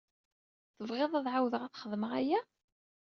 Tebɣiḍ ad ɛawdeɣ ad xedmeɣ aya?